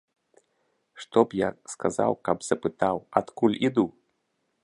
Што б я сказаў, каб запытаў, адкуль іду?